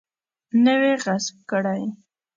نه وي غصب کړی.